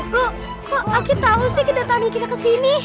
kok aki tau sih datangin kita kesini